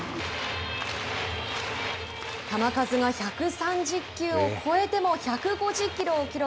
球数が１３０球を超えても１５０キロを記録。